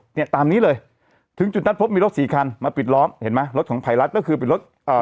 เนี่ยตามนี้เลยถึงจุดนั้นพบมีรถสี่คันมาปิดล้อมเห็นไหมรถของภัยรัฐก็คือเป็นรถเอ่อ